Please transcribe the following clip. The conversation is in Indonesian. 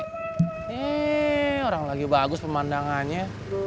ini orang lagi bagus pemandangannya